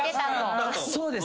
そうです。